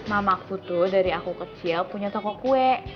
mamaku tuh dari aku kecil punya toko kue